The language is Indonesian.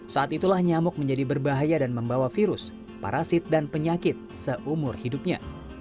saat itulah nyamuk menjadi berbahaya dan membawa virus parasit dan penyakit seumur hidupnya